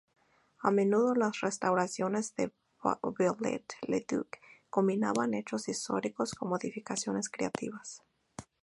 A menudo las "restauraciones" de Viollet-le-Duc combinaban hechos históricos con modificaciones creativas.